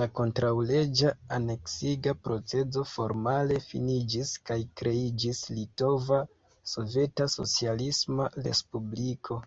La kontraŭleĝa aneksiga procezo formale finiĝis kaj kreiĝis Litova Soveta Socialisma Respubliko.